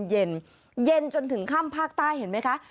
เย็นจนถึงข้ำภาคใต้เห็นไหมคะ